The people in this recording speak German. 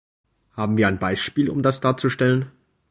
Haben wir ein Beispiel, um das darzustellen?